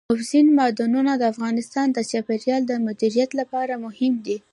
اوبزین معدنونه د افغانستان د چاپیریال د مدیریت لپاره مهم دي.